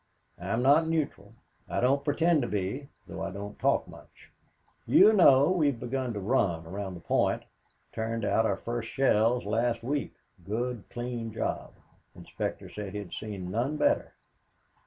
I'm not neutral. I don't pretend to be, though I don't talk much. You know we've begun to run around the Point. Turned out our first shells last week good clean job. Inspector said he'd seen none better.